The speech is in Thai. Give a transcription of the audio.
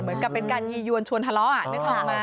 เหมือนกับเป็นการยียวนชวนทะเลาะนึกออกมา